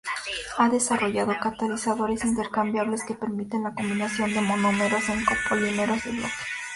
Ha desarrollado catalizadores intercambiables que permiten la combinación de monómeros en copolímeros de bloque.